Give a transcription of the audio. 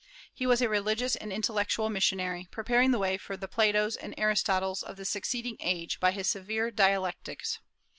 He was a religious and intellectual missionary, preparing the way for the Platos and Aristotles of the succeeding age by his severe dialectics.